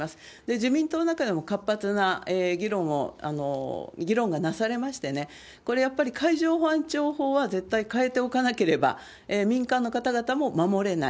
自民党の中でも活発な議論がなされましてね、これはやっぱり海上保安庁は絶対変えておかなければ、民間の方々も守れない。